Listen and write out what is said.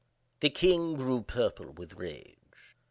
The king grew purple with rage.